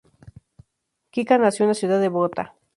Kika nació en la ciudad de Bogotá.